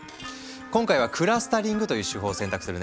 今回はクラスタリングという手法を選択するね。